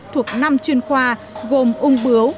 thuộc năm chuyên khoa gồm ung bướu